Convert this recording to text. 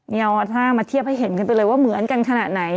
นี่เอาท่ามาเทียบให้เห็นกันไปเลยว่าเหมือนกันขนาดไหน